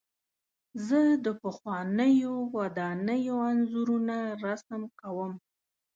زه د پخوانیو ودانیو انځورونه رسم کوم.